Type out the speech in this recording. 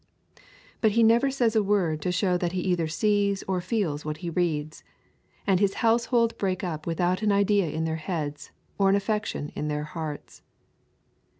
But he never says a word to show that he either sees or feels what he reads, and his household break up without an idea in their heads or an affection in their hearts.